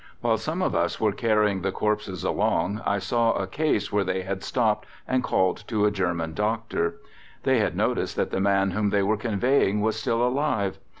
"While some of us were carrying the corpses along I saw a case where they had stopped and called to a German doctor. They had noticed that the man whom they were conveying was still alive.